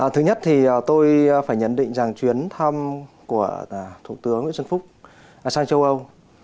thứ nhất thì tôi phải nhận định rằng chuyến thăm của thủ tướng nguyễn xuân phúc sang châu âu